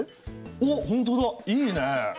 おっ本当だいいね。